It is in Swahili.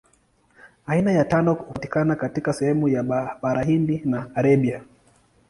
Aina ya tano hupatikana katika sehemu ya Bara Hindi na Arabia.